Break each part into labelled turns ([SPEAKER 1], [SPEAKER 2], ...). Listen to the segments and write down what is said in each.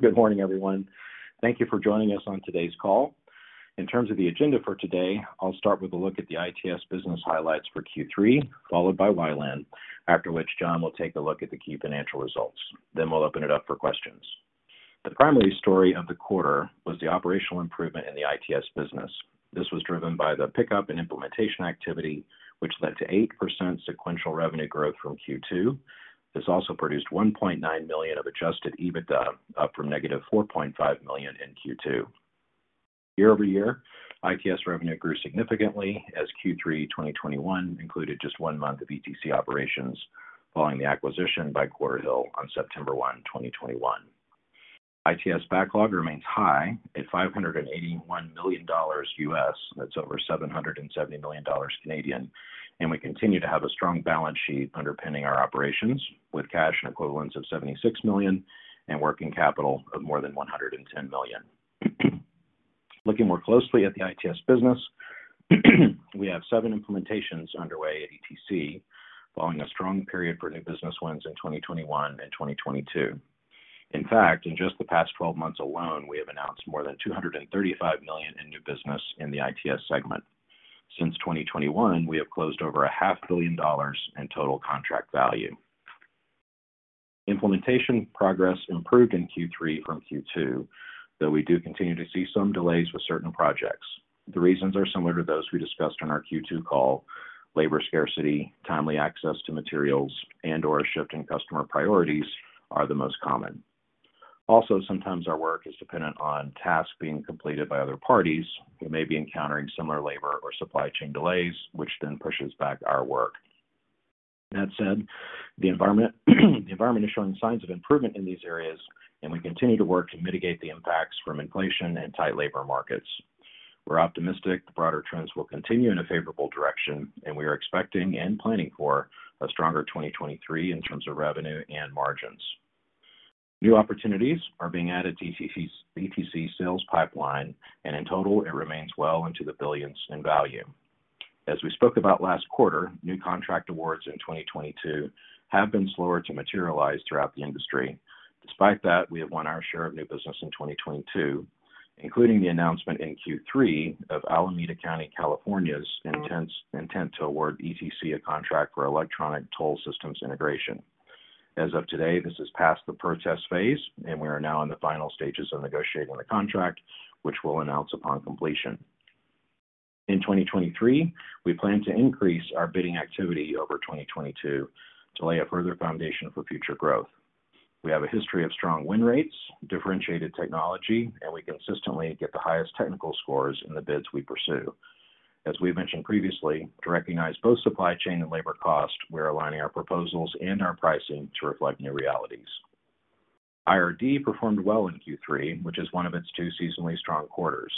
[SPEAKER 1] Good morning, everyone. Thank you for joining us on today's call. In terms of the agenda for today, I'll start with a look at the ITS business highlights for Q3, followed by WiLAN, after which John will take a look at the key financial results. We'll open it up for questions. The primary story of the quarter was the operational improvement in the ITS business. This was driven by the pickup in implementation activity, which led to 8% sequential revenue growth from Q2. This also produced 1.9 million of adjusted EBITDA, up from negative 4.5 million in Q2. Year-over-year, ITS revenue grew significantly as Q3 2021 included just one month of ETC operations following the acquisition by Quarterhill on September 1, 2021. ITS backlog remains high at $581 million. That's over 770 million Canadian dollars. We continue to have a strong balance sheet underpinning our operations with cash and equivalents of 76 million and working capital of more than 110 million. Looking more closely at the ITS business, we have 7 implementations underway at ETC following a strong period for new business wins in 2021 and 2022. In fact, in just the past 12 months alone, we have announced more than 235 million in new business in the ITS segment. Since 2021, we have closed over 0.5 billion dollars in total contract value. Implementation progress improved in Q3 from Q2, though we do continue to see some delays with certain projects. The reasons are similar to those we discussed on our Q2 call. Labor scarcity, timely access to materials, and/or a shift in customer priorities are the most common. Also, sometimes our work is dependent on tasks being completed by other parties who may be encountering similar labor or supply chain delays, which then pushes back our work. That said, the environment is showing signs of improvement in these areas, and we continue to work to mitigate the impacts from inflation and tight labor markets. We're optimistic the broader trends will continue in a favorable direction, and we are expecting and planning for a stronger 2023 in terms of revenue and margins. New opportunities are being added to ETC's sales pipeline, and in total, it remains well into the billions in value. As we spoke about last quarter, new contract awards in 2022 have been slower to materialize throughout the industry. Despite that, we have won our share of new business in 2022, including the announcement in Q3 of Alameda County, California's intent to award ETC a contract for electronic toll systems integration. As of today, this is past the protest phase, and we are now in the final stages of negotiating the contract, which we'll announce upon completion. In 2023, we plan to increase our bidding activity over 2022 to lay a further foundation for future growth. We have a history of strong win rates, differentiated technology, and we consistently get the highest technical scores in the bids we pursue. As we mentioned previously, to recognize both supply chain and labor cost, we're aligning our proposals and our pricing to reflect new realities. IRD performed well in Q3, which is one of its two seasonally strong quarters.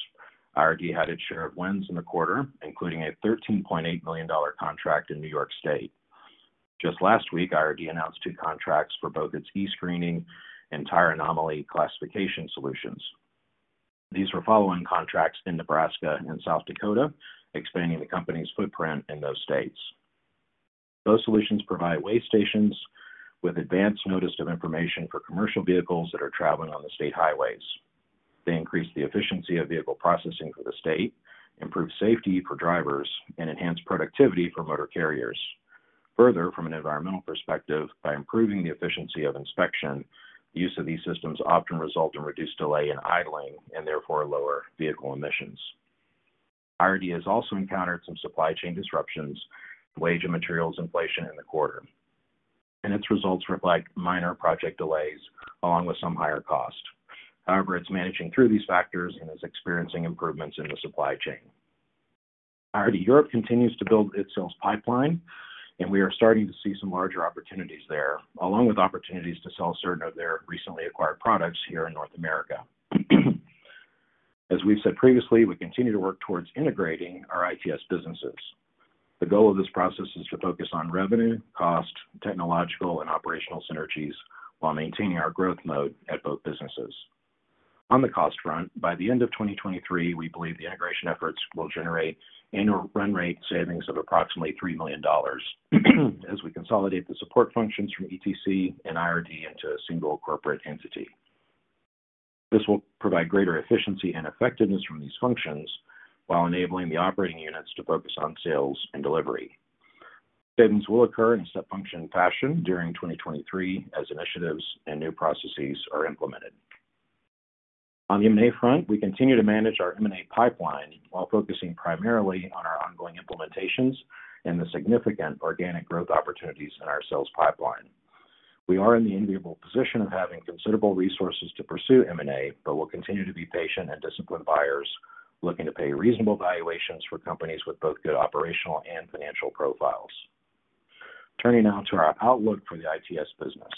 [SPEAKER 1] IRD had its share of wins in the quarter, including a $13.8 million contract in New York State. Just last week, IRD announced two contracts for both its E-Screening and Tire Anomaly Classification solutions. These were following contracts in Nebraska and South Dakota, expanding the company's footprint in those states. Those solutions provide weigh stations with advance notice of information for commercial vehicles that are traveling on the state highways. They increase the efficiency of vehicle processing for the state, improve safety for drivers, and enhance productivity for motor carriers. Further, from an environmental perspective, by improving the efficiency of inspection, use of these systems often result in reduced delay in idling and therefore lower vehicle emissions. IRD has also encountered some supply chain disruptions, wage and materials inflation in the quarter, and its results reflect minor project delays along with some higher cost. However, it's managing through these factors and is experiencing improvements in the supply chain. IRD Europe continues to build its sales pipeline, and we are starting to see some larger opportunities there, along with opportunities to sell certain of their recently acquired products here in North America. As we've said previously, we continue to work towards integrating our ITS businesses. The goal of this process is to focus on revenue, cost, technological, and operational synergies while maintaining our growth mode at both businesses. On the cost front, by the end of 2023, we believe the integration efforts will generate annual run rate savings of approximately $3 million as we consolidate the support functions from ETC and IRD into a single corporate entity. This will provide greater efficiency and effectiveness from these functions while enabling the operating units to focus on sales and delivery. Savings will occur in a step function fashion during 2023 as initiatives and new processes are implemented. On the M&A front, we continue to manage our M&A pipeline while focusing primarily on our ongoing implementations and the significant organic growth opportunities in our sales pipeline. We are in the enviable position of having considerable resources to pursue M&A, but we'll continue to be patient and disciplined buyers looking to pay reasonable valuations for companies with both good operational and financial profiles. Turning now to our outlook for the ITS business.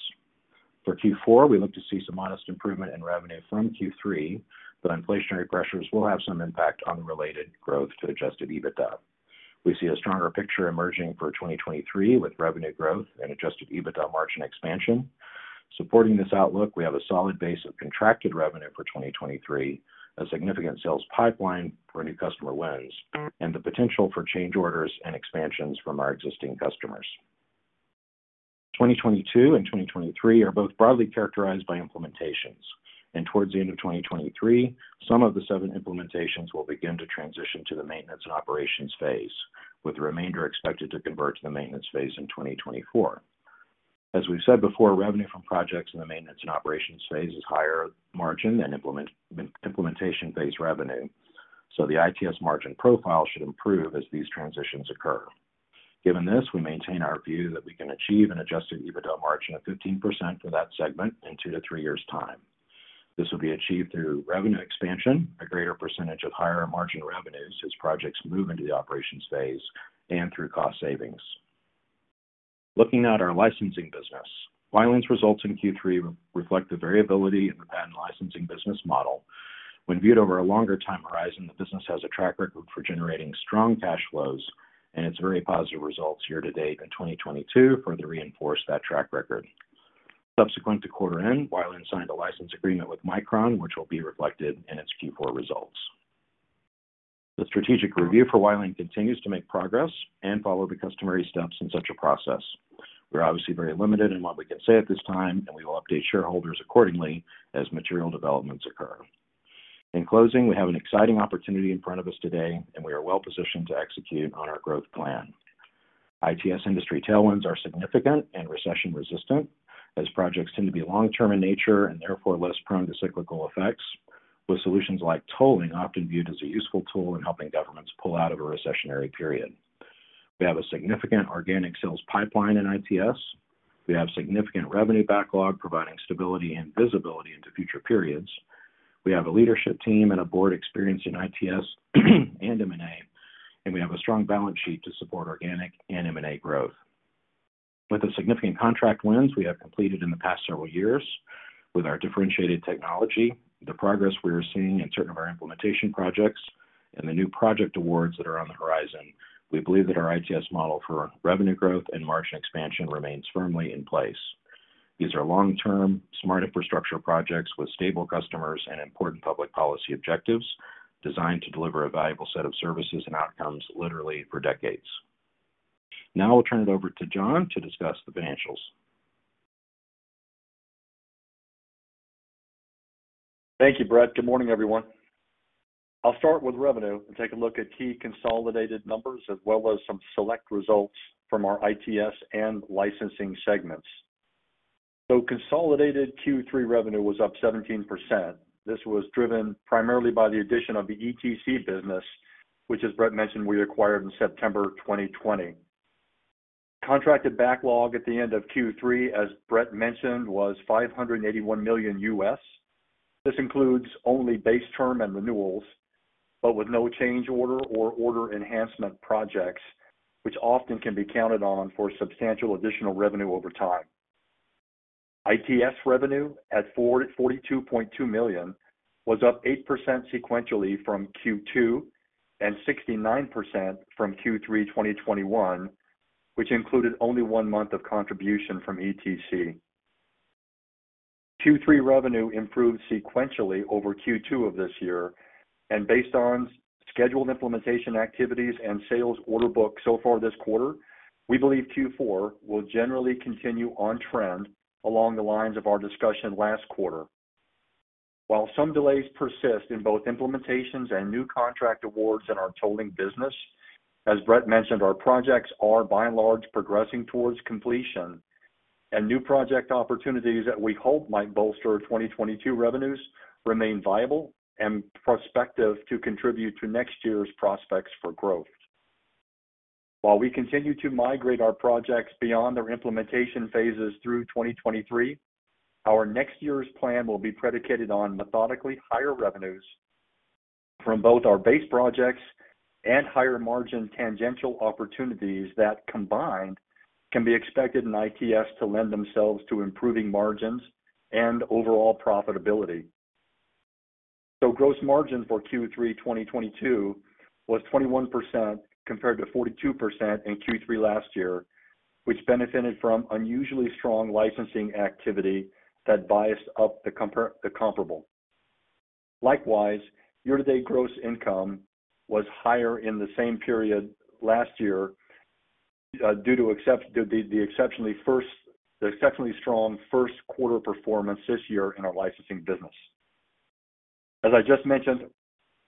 [SPEAKER 1] For Q4, we look to see some modest improvement in revenue from Q3, though inflationary pressures will have some impact on related growth to adjusted EBITDA. We see a stronger picture emerging for 2023 with revenue growth and adjusted EBITDA margin expansion. Supporting this outlook, we have a solid base of contracted revenue for 2023, a significant sales pipeline for new customer wins, and the potential for change orders and expansions from our existing customers. 2022 and 2023 are both broadly characterized by implementations, and towards the end of 2023, some of the 7 implementations will begin to transition to the maintenance and operations phase, with the remainder expected to convert to the maintenance phase in 2024. As we've said before, revenue from projects in the maintenance and operations phase is higher margin than implementation phase revenue. The ITS margin profile should improve as these transitions occur. Given this, we maintain our view that we can achieve an adjusted EBITDA margin of 15% for that segment in 2-3 years' time. This will be achieved through revenue expansion, a greater percentage of higher-margin revenues as projects move into the operations phase, and through cost savings. Looking at our licensing business, WiLAN's results in Q3 reflect the variability in the patent licensing business model. When viewed over a longer time horizon, the business has a track record for generating strong cash flows, and its very positive results here to date in 2022 further reinforce that track record. Subsequent to quarter end, WiLAN signed a license agreement with Micron, which will be reflected in its Q4 results. The strategic review for WiLAN continues to make progress and follow the customary steps in such a process. We're obviously very limited in what we can say at this time, and we will update shareholders accordingly as material developments occur. In closing, we have an exciting opportunity in front of us today, and we are well-positioned to execute on our growth plan. ITS industry tailwinds are significant and recession-resistant, as projects tend to be long-term in nature and therefore less prone to cyclical effects, with solutions like tolling often viewed as a useful tool in helping governments pull out of a recessionary period. We have a significant organic sales pipeline in ITS. We have significant revenue backlog, providing stability and visibility into future periods. We have a leadership team and a board experienced in ITS and M&A, and we have a strong balance sheet to support organic and M&A growth. With the significant contract wins we have completed in the past several years, with our differentiated technology, the progress we are seeing in certain of our implementation projects, and the new project awards that are on the horizon, we believe that our ITS model for revenue growth and margin expansion remains firmly in place. These are long-term, smart infrastructure projects with stable customers and important public policy objectives designed to deliver a valuable set of services and outcomes literally for decades. Now I'll turn it over to John to discuss the financials.
[SPEAKER 2] Thank you, Bret. Good morning, everyone. I'll start with revenue and take a look at key consolidated numbers as well as some select results from our ITS and licensing segments. Consolidated Q3 revenue was up 17%. This was driven primarily by the addition of the ETC business, which, as Bret mentioned, we acquired in September 2020. Contracted backlog at the end of Q3, as Bret mentioned, was $581 million. This includes only base term and renewals, but with no change order or order enhancement projects, which often can be counted on for substantial additional revenue over time. ITS revenue at 42.2 million was up 8% sequentially from Q2 and 69% from Q3 2021, which included only one month of contribution from ETC. Q3 revenue improved sequentially over Q2 of this year. Based on scheduled implementation activities and sales order book so far this quarter, we believe Q4 will generally continue on trend along the lines of our discussion last quarter. While some delays persist in both implementations and new contract awards in our tolling business, as Bret mentioned, our projects are by and large progressing towards completion, and new project opportunities that we hope might bolster 2022 revenues remain viable and prospective to contribute to next year's prospects for growth. While we continue to migrate our projects beyond their implementation phases through 2023, our next year's plan will be predicated on methodically higher revenues from both our base projects and higher-margin tangential opportunities that combined can be expected in ITS to lend themselves to improving margins and overall profitability. Gross margin for Q3 2022 was 21% compared to 42% in Q3 last year, which benefited from unusually strong licensing activity that biased up the comparable. Likewise, year-to-date gross income was higher in the same period last year due to the exceptionally strong first quarter performance this year in our licensing business. As I just mentioned,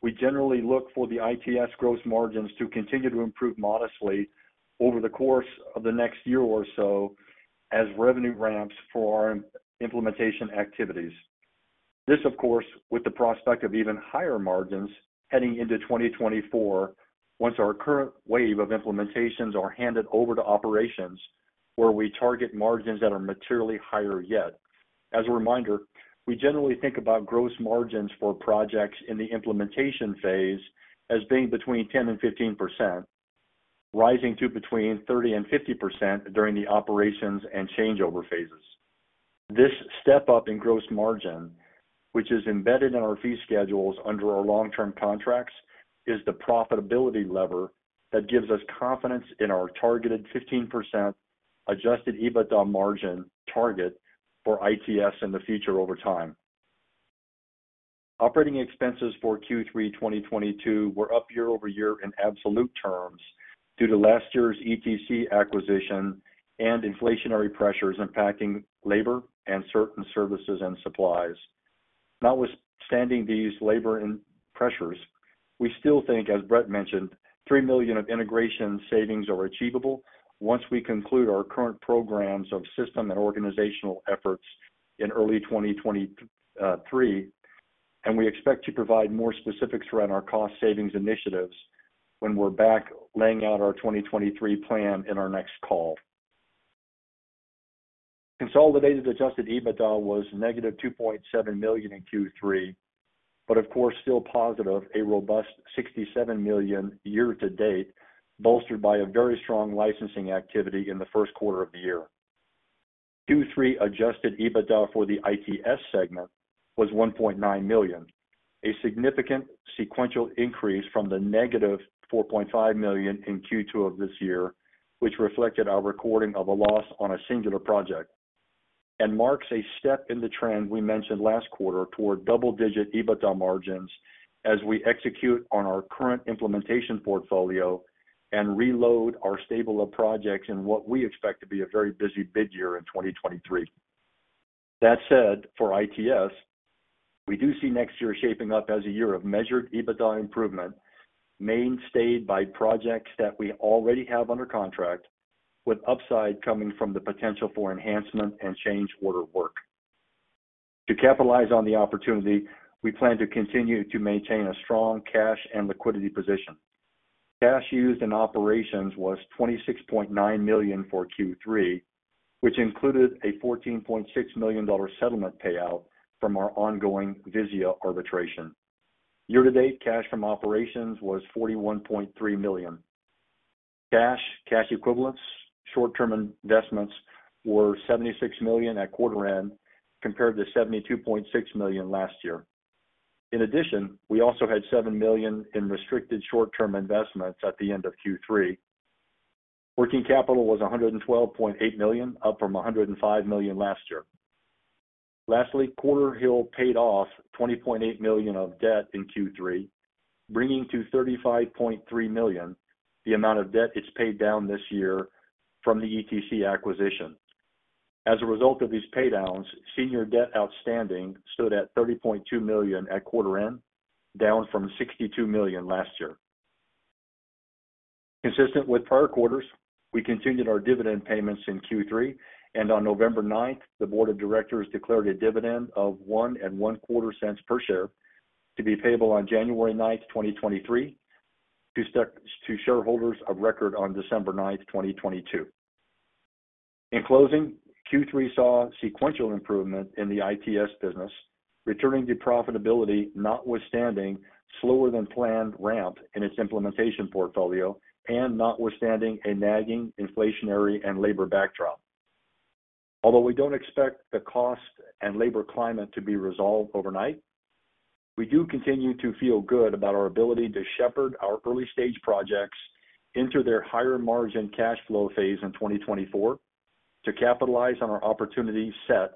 [SPEAKER 2] we generally look for the ITS gross margins to continue to improve modestly over the course of the next year or so as revenue ramps for our implementation activities. This, of course, with the prospect of even higher margins heading into 2024 once our current wave of implementations are handed over to operations where we target margins that are materially higher yet. As a reminder, we generally think about gross margins for projects in the implementation phase as being between 10%-15%, rising to between 30%-50% during the operations and changeover phases. This step-up in gross margin, which is embedded in our fee schedules under our long-term contracts, is the profitability lever that gives us confidence in our targeted 15% adjusted EBITDA margin target for ITS in the future over time. Operating expenses for Q3 2022 were up year-over-year in absolute terms due to last year's ETC acquisition and inflationary pressures impacting labor and certain services and supplies. Notwithstanding these labor pressures, we still think, as Bret mentioned, 3 million of integration savings are achievable once we conclude our current programs of system and organizational efforts in early 2023, and we expect to provide more specifics around our cost savings initiatives when we're back laying out our 2023 plan in our next call. Consolidated adjusted EBITDA was negative 2.7 million in Q3, but of course, still positive, a robust 67 million year-to-date, bolstered by a very strong licensing activity in the first quarter of the year. Q3 adjusted EBITDA for the ITS segment was 1.9 million, a significant sequential increase from the negative 4.5 million in Q2 of this year, which reflected our recording of a loss on a singular project and marks a step in the trend we mentioned last quarter toward double-digit EBITDA margins as we execute on our current implementation portfolio and reload our stable of projects in what we expect to be a very busy bid year in 2023. That said, for ITS, we do see next year shaping up as a year of measured EBITDA improvement, mainstayed by projects that we already have under contract, with upside coming from the potential for enhancement and change order work. To capitalize on the opportunity, we plan to continue to maintain a strong cash and liquidity position. Cash used in operations was 26.9 million for Q3, which included a 14.6 million dollar settlement payout from our ongoing VIZIYA arbitration. Year to date, cash from operations was 41.3 million. Cash, cash equivalents, short-term investments were 76 million at quarter end, compared to 72.6 million last year. In addition, we also had 7 million in restricted short-term investments at the end of Q3. Working capital was 112.8 million, up from 105 million last year. Lastly, Quarterhill paid off 20.8 million of debt in Q3, bringing to 35.3 million the amount of debt it's paid down this year from the ETC acquisition. As a result of these pay downs, senior debt outstanding stood at 30.2 million at quarter end, down from 62 million last year. Consistent with prior quarters, we continued our dividend payments in Q3, and on November 9, the board of directors declared a dividend of 1.25 cents per share to be payable on January 9, 2023, to shareholders of record on December 9, 2022. In closing, Q3 saw sequential improvement in the ITS business, returning to profitability notwithstanding slower than planned ramp in its implementation portfolio and notwithstanding a nagging inflationary and labor backdrop. Although we don't expect the cost and labor climate to be resolved overnight, we do continue to feel good about our ability to shepherd our early-stage projects into their higher margin cash flow phase in 2024 to capitalize on our opportunity set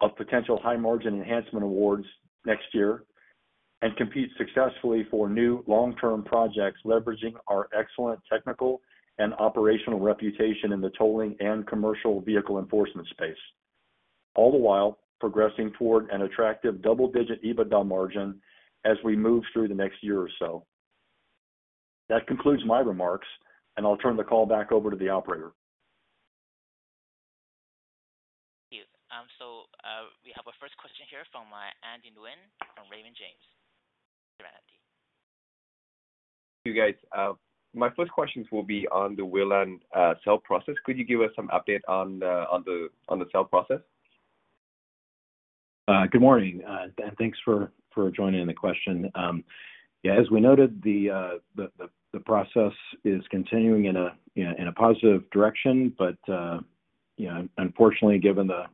[SPEAKER 2] of potential high margin enhancement awards next year and compete successfully for new long-term projects leveraging our excellent technical and operational reputation in the tolling and commercial vehicle enforcement space, all the while progressing toward an attractive double-digit EBITDA margin as we move through the next year or so. That concludes my remarks, and I'll turn the call back over to the operator.
[SPEAKER 3] Thank you. We have our first question here from Andy Nguyen from Raymond James. Go ahead, Andy.
[SPEAKER 4] You guys, my first questions will be on the WiLAN sale process. Could you give us some update on the sale process?
[SPEAKER 2] Good morning, and thanks for the question. Yeah, as we noted, the process is continuing in a positive direction, but you know, unfortunately, given the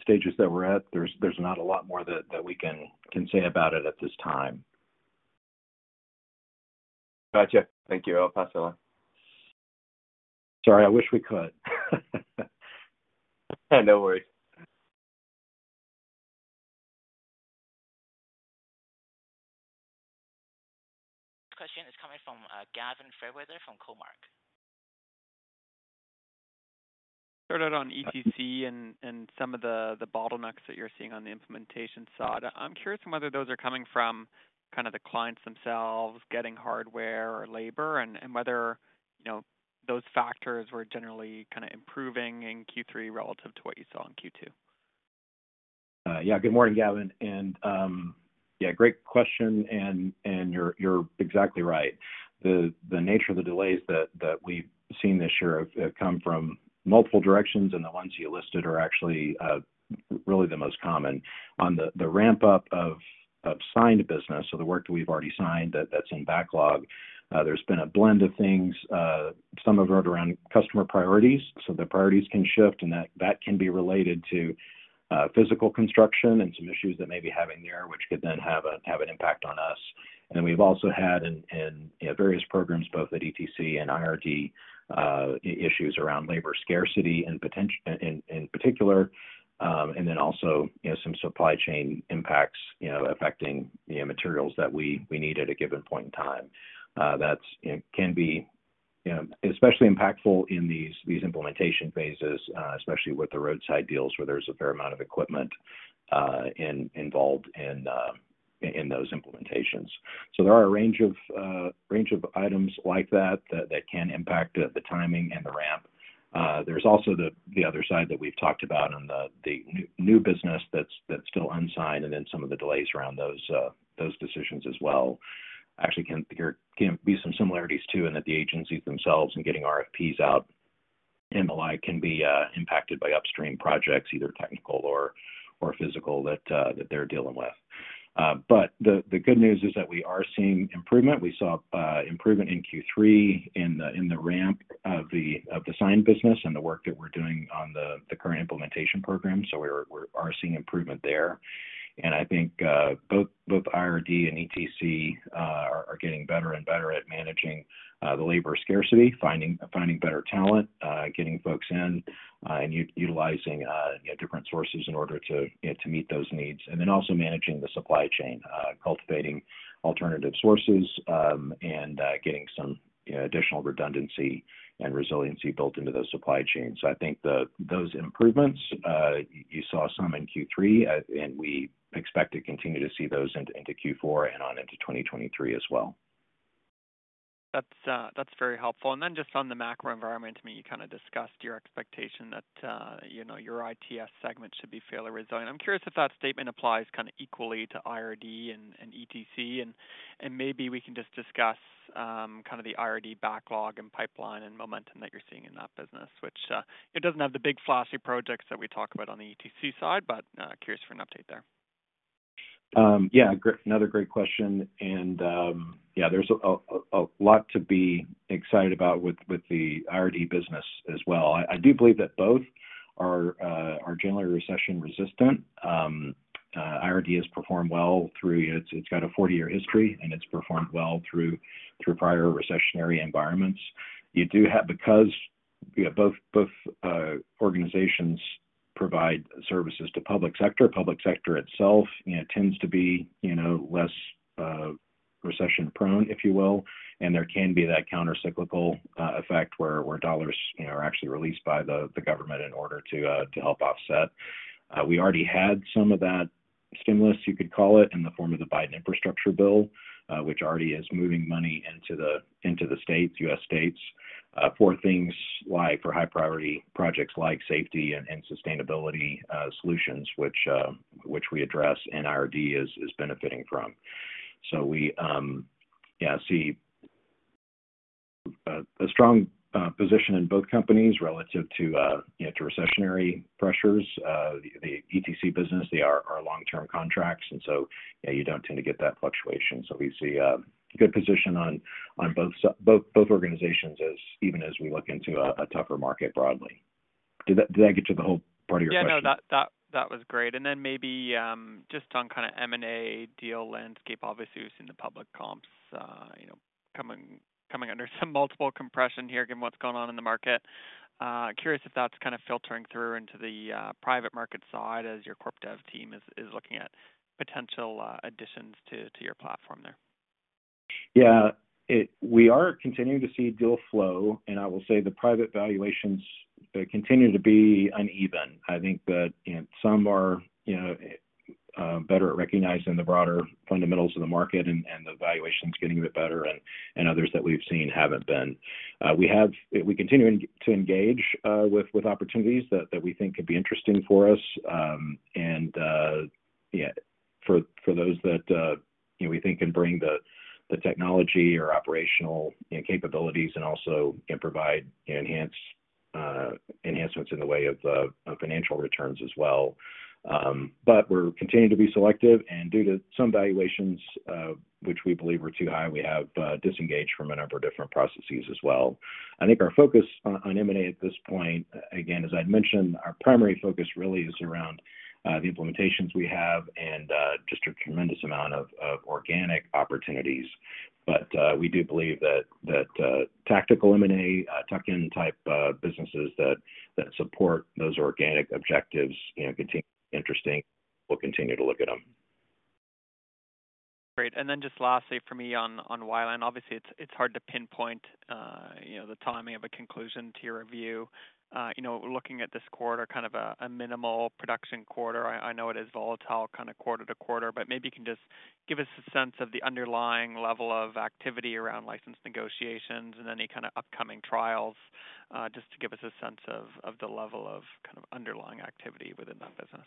[SPEAKER 2] stages that we're at, there's not a lot more that we can say about it at this time.
[SPEAKER 4] Gotcha. Thank you. I'll pass along.
[SPEAKER 2] Sorry, I wish we could.
[SPEAKER 4] No worries.
[SPEAKER 3] Next question is coming from Gavin Fairweather from Cormark.
[SPEAKER 5] Start out on ETC and some of the bottlenecks that you're seeing on the implementation side. I'm curious about whether those are coming from kind of the clients themselves getting hardware or labor and whether, you know, those factors were generally kind of improving in Q3 relative to what you saw in Q2.
[SPEAKER 2] Yeah. Good morning, Gavin. Yeah, great question, and you're exactly right. The nature of the delays that we've seen this year have come from multiple directions, and the ones you listed are actually really the most common. On the ramp up of signed business, so the work that we've already signed that's in backlog, there's been a blend of things, some of it around customer priorities. The priorities can shift, and that can be related to physical construction and some issues they may be having there, which could then have an impact on us.
[SPEAKER 1] We've also had you know various programs both at ETC and IRD issues around labor scarcity and in particular and then also you know some supply chain impacts you know affecting you know materials that we need at a given point in time. That's you know can be you know especially impactful in these implementation phases especially with the roadside deals where there's a fair amount of equipment involved in those implementations. There are a range of items like that that can impact the timing and the ramp. There's also the other side that we've talked about on the new business that's still unsigned and then some of the delays around those decisions as well actually there can be some similarities too in that the agencies themselves and getting RFPs out in a timely can be impacted by upstream projects, either technical or physical that they're dealing with. The good news is that we are seeing improvement. We saw improvement in Q3 in the ramp of the signed business and the work that we're doing on the current implementation program. We're seeing improvement there. I think both IRD and ETC are getting better and better at managing the labor scarcity, finding better talent, getting folks in, and utilizing, you know, different sources in order to, you know, to meet those needs. Also managing the supply chain, cultivating alternative sources, and getting some, you know, additional redundancy and resiliency built into those supply chains. I think those improvements you saw some in Q3 and we expect to continue to see those into Q4 and on into 2023 as well.
[SPEAKER 5] That's very helpful. Then just on the macro environment, I mean, you kind of discussed your expectation that, you know, your ITS segment should be fairly resilient. I'm curious if that statement applies kind of equally to IRD and ETC. Maybe we can just discuss kind of the IRD backlog and pipeline and momentum that you're seeing in that business, which it doesn't have the big flashy projects that we talk about on the ETC side, but curious for an update there.
[SPEAKER 1] Another great question. There's a lot to be excited about with the IRD business as well. I do believe that both are generally recession resistant. IRD has performed well through prior recessionary environments. It's got a 40-year history, and it's performed well through prior recessionary environments. Because, you know, both organizations provide services to public sector, public sector itself, you know, tends to be, you know, less recession-prone, if you will, and there can be that countercyclical effect where dollars, you know, are actually released by the government in order to help offset. We already had some of that stimulus, you could call it, in the form of the Bipartisan Infrastructure Law, which already is moving money into the states, U.S. states, for things like high priority projects like safety and sustainability solutions, which we address and IRD is benefiting from. We see a strong position in both companies relative to, you know, to recessionary pressures. The ETC business, they are long-term contracts and so, you know, you don't tend to get that fluctuation. We see a good position on both organizations as even as we look into a tougher market broadly. Did I get to the whole part of your question?
[SPEAKER 5] Yeah. No. That was great. Maybe just on kind of M&A deal landscape, obviously we've seen the public comps, you know, coming under some multiple compression here, given what's going on in the market. Curious if that's kind of filtering through into the private market side as your corp dev team is looking at potential additions to your platform there.
[SPEAKER 1] Yeah. We are continuing to see deal flow, and I will say the private valuations, they continue to be uneven. I think that, you know, some are, you know, better at recognizing the broader fundamentals of the market and the valuations getting a bit better, and others that we've seen haven't been. We continue to engage with opportunities that we think could be interesting for us. And for those that, you know, we think can bring the technology or operational, you know, capabilities and also can provide, you know, enhancements in the way of financial returns as well. But we're continuing to be selective, and due to some valuations, which we believe are too high, we have disengaged from a number of different processes as well. I think our focus on M&A at this point, again, as I'd mentioned, our primary focus really is around the implementations we have and just a tremendous amount of organic opportunities. We do believe that tactical M&A, tuck-in type businesses that support those organic objectives, you know, continue interesting. We'll continue to look at them.
[SPEAKER 5] Great. Just lastly for me on WiLAN. Obviously, it's hard to pinpoint, you know, the timing of a conclusion to your review. You know, looking at this quarter, kind of a minimal production quarter. I know it is volatile kind of quarter to quarter, but maybe you can just give us a sense of the underlying level of activity around license negotiations and any kind of upcoming trials, just to give us a sense of the level of kind of underlying activity within that business.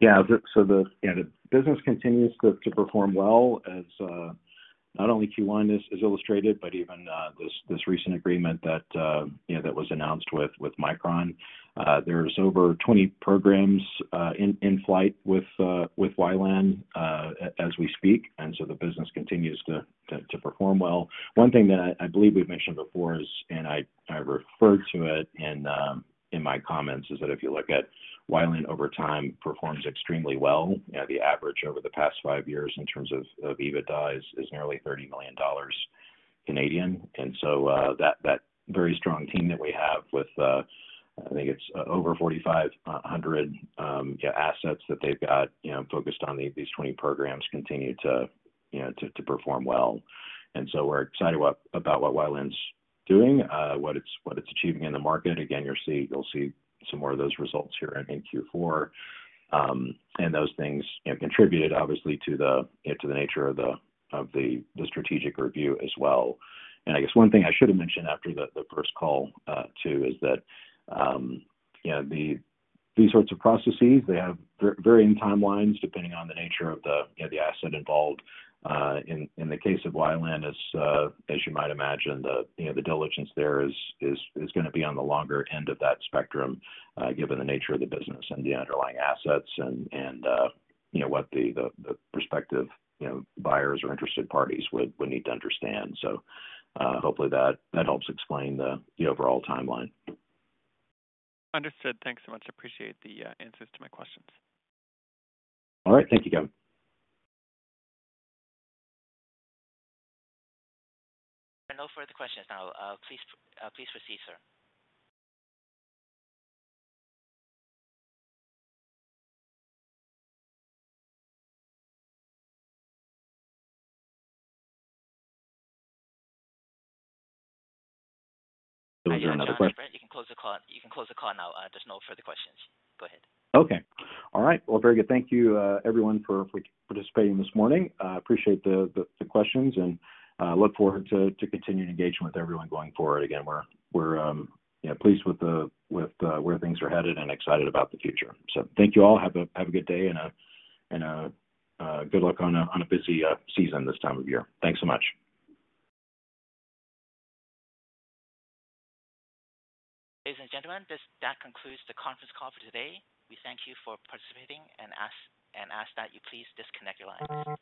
[SPEAKER 1] The business continues to perform well as not only Q1 has illustrated, but even this recent agreement that you know that was announced with Micron. There's over 20 programs in flight with WiLAN as we speak, and so the business continues to perform well. One thing that I believe we've mentioned before is and I referred to it in my comments, is that if you look at WiLAN over time performs extremely well. You know, the average over the past 5 years in terms of EBITDA is nearly 30 million Canadian dollars. That very strong team that we have with, I think it's over 4,500, yeah, assets that they've got, you know, focused on these 20 programs continue to, you know, to perform well. We're excited about what WiLAN's doing, what it's achieving in the market. Again, you'll see some more of those results here in Q4. Those things have contributed obviously to the nature of the strategic review as well. I guess one thing I should have mentioned after the first call, too, is that, you know, these sorts of processes, they have varying timelines depending on the nature of the asset involved. In the case of WiLAN, as you might imagine, you know, the diligence there is gonna be on the longer end of that spectrum, given the nature of the business and the underlying assets and, you know, what the prospective buyers or interested parties would need to understand. Hopefully that helps explain the overall timeline.
[SPEAKER 5] Understood. Thanks so much. I appreciate the answers to my questions.
[SPEAKER 1] All right. Thank you, Gavin.
[SPEAKER 3] There are no further questions now. Please proceed, sir.
[SPEAKER 1] Is there another question?
[SPEAKER 3] You can close the call. You can close the call now. There's no further questions. Go ahead.
[SPEAKER 1] Okay. All right. Well, very good. Thank you, everyone, for participating this morning. Appreciate the questions and look forward to continuing engagement with everyone going forward. Again, we're you know, pleased with where things are headed and excited about the future. Thank you all. Have a good day and a good luck on a busy season this time of year. Thanks so much.
[SPEAKER 3] Ladies and gentlemen, that concludes the conference call for today. We thank you for participating and ask that you please disconnect your lines.